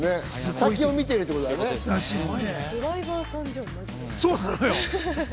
先を見てるってことだよね。